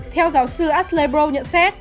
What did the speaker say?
theo giáo sư aslan